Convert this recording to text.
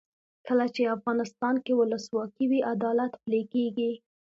کله چې افغانستان کې ولسواکي وي عدالت پلی کیږي.